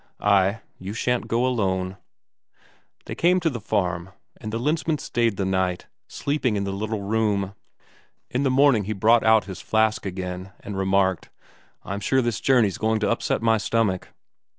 "Ay; you shan't go alone." They came to the farm, and the Lensmand stayed the night, sleeping in the little room. In the morning, he brought out his flask again, and remarked: "I'm sure this journey's going to upset my stomach."